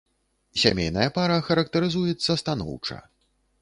Сямейная пара характарызуецца станоўча.